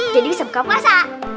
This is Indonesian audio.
jadi bisa buka pulsa